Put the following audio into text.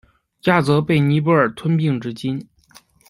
亚泽被尼泊尔吞并至今。